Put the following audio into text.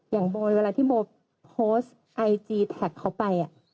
โบเวลาที่โบโพสต์ไอจีแท็กเขาไป